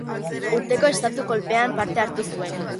Urte hartako estatu-kolpean parte hartu zuen.